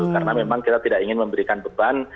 karena memang kita tidak ingin memberikan beban